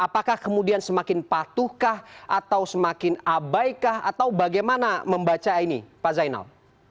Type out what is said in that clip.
apakah kemudian semakin patuhkah atau semakin abai kah atau bagaimana membaca ini pak zainal